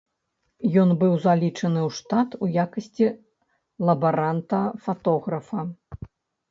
Ён быў залічаны ў штат у якасці лабаранта-фатографа.